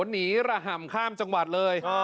หนีระห่ำข้ามจังหวัดเลย